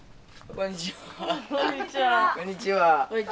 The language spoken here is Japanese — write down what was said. こんにちは。